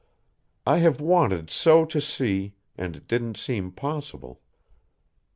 I have wanted so to see, and it didn't seem possible."